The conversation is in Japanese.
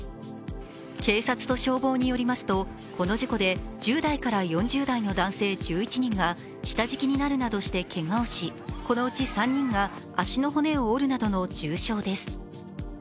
警察と消防によりますとこの事故で１０代から４０代の男性１１人が下敷きになるなどしてけがをし、このうち３人が足の骨を折るなどの重傷です。